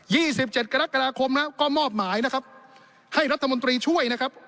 ี่สิบเจ็ดกรกฎาคมแล้วก็มอบหมายนะครับให้รัฐมนตรีช่วยนะครับ